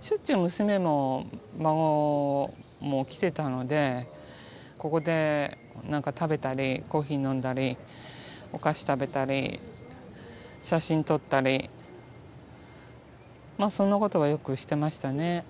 しょっちゅう娘も孫も来ていたのでここでなんか食べたりコーヒー飲んだりお菓子食べたり写真撮ったりそんなことはよくしていましたね。